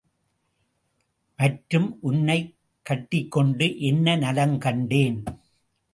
மற்றும், உன்னைக் கட்டிக்கொண்டு என்ன நலம் கண்டேன்?